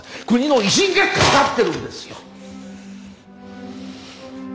国の威信がかかってるんですよ！